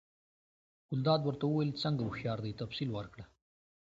ګلداد ورته وویل: څنګه هوښیار دی، تفصیل ورکړه؟